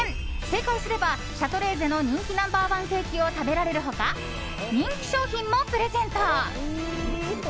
正解すれば、シャトレーゼの人気ナンバー１ケーキを食べられる他人気商品もプレゼント。